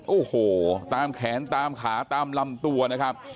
โอ้โหตามแขนตามขาตามลำตัวนะครับ